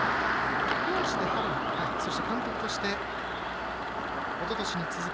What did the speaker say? コーチで春１回そして、監督としておととしに続く